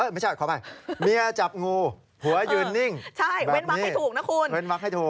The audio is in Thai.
ไม่ใช่ขอวาลีพ่อ